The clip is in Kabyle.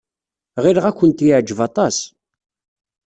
Ɣileɣ ad kent-yeɛjeb aṭas.